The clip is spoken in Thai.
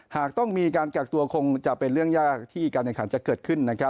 หากต้องมีการกักตัวคงจะเป็นเรื่องยากที่การแข่งขันจะเกิดขึ้น